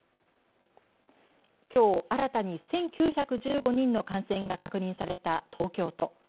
きょう新たに１９１５人の感染が確認された東京都。